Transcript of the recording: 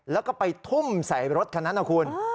แล้วก็ไปทุ่มใส่รถคันนั้นนะคุณ